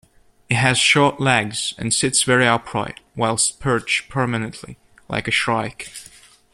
It has short legs and sits very upright whilst perched prominently, like a shrike.